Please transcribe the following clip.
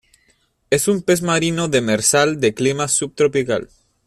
Es un pez marino demersal de clima subtropical.